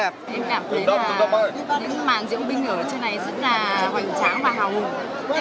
em cảm thấy những màn diễu binh ở trên này rất là hoành tráng và hào hùng